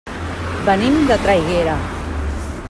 Venim de Traiguera.